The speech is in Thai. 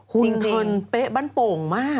หุ่นเผ็ดบั้นโป่งมาก